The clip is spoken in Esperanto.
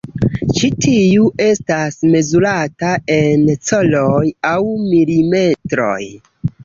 Ĉi tiu estas mezurata en coloj aŭ milimetroj.